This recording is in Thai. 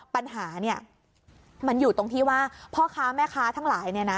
ปัญหานี่มันอยู่ตรงที่ว่าพ่อค้าแม่ค้าทั้งหลาย